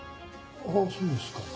ああそうですか。